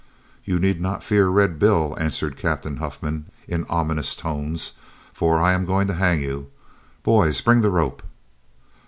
"You need not fear Red Bill," answered Captain Huffman, in ominous tones, "for I am going to hang you. Boys, bring the rope."